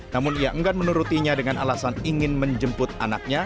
namun ia enggan menurutinya dengan alasan ingin menjemput anaknya